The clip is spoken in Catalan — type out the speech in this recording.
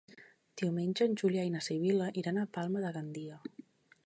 Diumenge en Julià i na Sibil·la iran a Palma de Gandia.